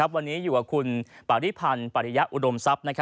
วันนี้อยู่กับคุณปริพันธ์ปริยะอุดมทรัพย์